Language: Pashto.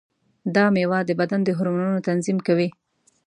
دا مېوه د بدن د هورمونونو تنظیم کوي.